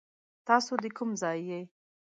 تاسو دا کوم ځای يي ؟